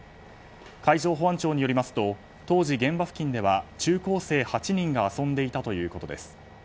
海上保安庁によりますと当時、現場付近では中高生８人が遊んでいたということです。